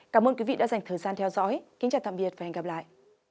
cảm ơn quý vị đã dành thời gian theo dõi